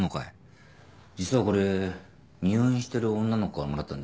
実はこれ入院してる女の子からもらったんだ。